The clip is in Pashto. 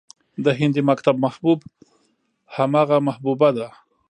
د هندي مکتب محبوب همغه محبوبه ده